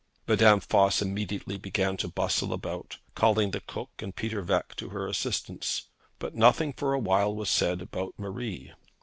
Madame Voss immediately began to bustle about, calling the cook and Peter Veque to her assistance. But nothing for a while was said about Marie.